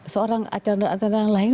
seorang arkanra arkanra yang lain